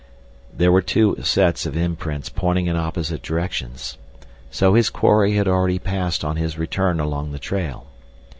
There were two sets of imprints pointing in opposite directions. So his quarry had already passed on his return along the trail.